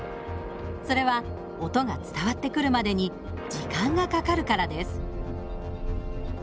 それは音が伝わってくるまでに時間がかかるからです。